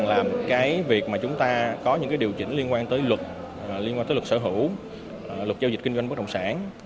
làm cái việc mà chúng ta có những cái điều chỉnh liên quan tới luật liên quan tới luật sở hữu luật giao dịch kinh doanh bất động sản